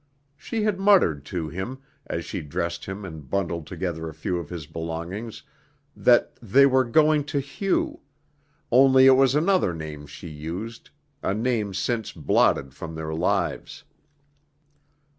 She had muttered to him, as she dressed him and bundled together a few of his belongings, that they "were going to Hugh" only it was another name she used, a name since blotted from their lives.